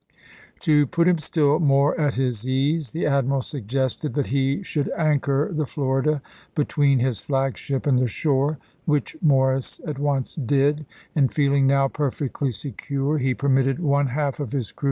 To put him still more at his ease, the admiral suggested that he should anchor the Florida between his flagship and the shore, which Morris at once did ; and feeling now perfectly secure, he permitted one half of his crew Oct.